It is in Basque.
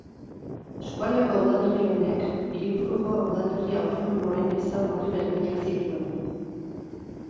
Eskualdeko udalerri honek hiriburuko udalerri autonomoen ezaugarri berdinak zituen.